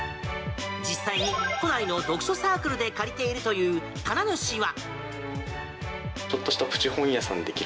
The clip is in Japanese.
実際に、都内の読書サークルで借りているという棚主は。